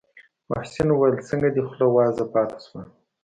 محسن وويل څنگه دې خوله وازه پاته شوه.